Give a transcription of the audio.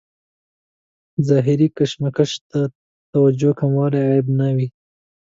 ظاهري کشمکش ته توجه کموالی عیب نه دی.